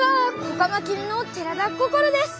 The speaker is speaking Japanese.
子カマキリの寺田心です。